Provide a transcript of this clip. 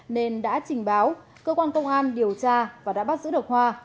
nên đã trình báo cơ quan công an điều tra và đã bắt giữ được hoa